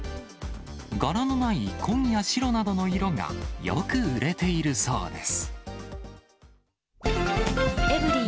柄のない紺や白などの色がよく売れているそうです。